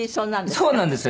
そうなんですよ。